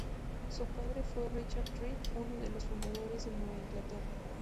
Su padre fue Richard Treat, uno de los fundadores de Nueva Inglaterra.